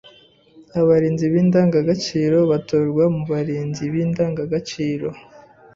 Abarinzi b’indangagaciro batorwa mu barinzi b’indangagaciro